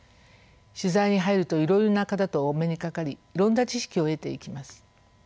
取材に入るといろいろな方とお目にかかりいろんな知識を得ていきます。